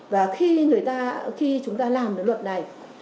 và khi chúng ta làm được luật này